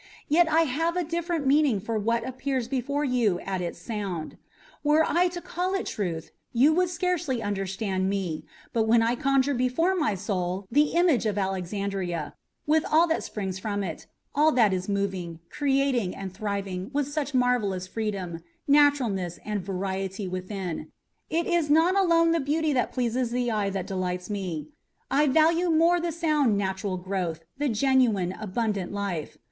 Yet I have a different meaning from what appears before you at its sound. Were I to call it truth, you would scarcely understand me, but when I conjure before my soul the image of Alexandria, with all that springs from it, all that is moving, creating, and thriving with such marvellous freedom, naturalness, and variety within it, it is not alone the beauty that pleases the eye which delights me; I value more the sound natural growth, the genuine, abundant life.